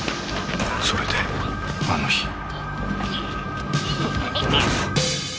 それであの日。